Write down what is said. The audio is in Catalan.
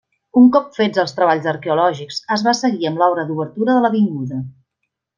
Un cop fets els treballs arqueològics es va seguir amb l'obra d'obertura de l'avinguda.